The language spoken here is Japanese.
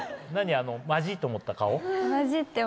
あのまじいと思った顔。